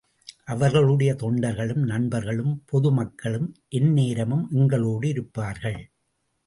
அவர்களுடைய தொண்டர்களும், நண்பர்களும், பொது மக்களும் எந்நேரமும் எங்களோடு இருப்பார்கள்.